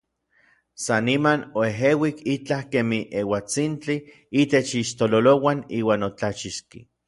San niman oejeuik itlaj kemij euatsintli itech ixtololouan iuan otlachixki.